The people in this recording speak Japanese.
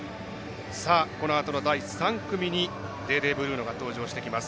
このあとの第３組にデーデーブルーノが登場してきます。